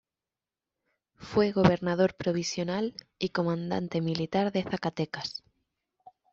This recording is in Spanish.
Fue Gobernador Provisional y Comandante Militar de Zacatecas.